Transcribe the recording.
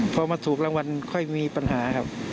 พอมาถูกรางวัลค่อยมีปัญหาครับ